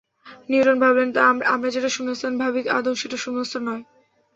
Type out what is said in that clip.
Newton ভাবলেন আমরা যেটা শূন্যস্থান ভাবি, আদৌ সেটা শূন্যস্থান নয়।